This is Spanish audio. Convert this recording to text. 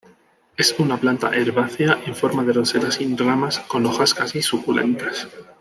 Es una planta herbácea en forma de roseta sin ramas, con hojas casi suculentas.